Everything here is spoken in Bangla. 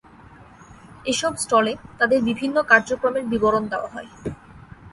এসব স্টলে তাঁদের বিভিন্ন কার্যক্রমের বিবরণ দেওয়া হয়।